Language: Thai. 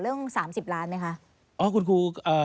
เรื่องสามสิบล้านไหมคะ